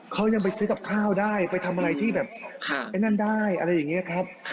เขายังไปซื้อกับข้าวได้ไปทำอะไรที่แบบไอ้นั่นได้อะไรอย่างนี้ครับ